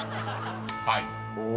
［はい。